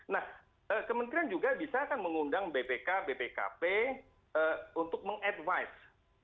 nah kementerian juga bisa akan mengundang bpk bpkp untuk meng advise